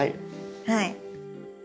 はい。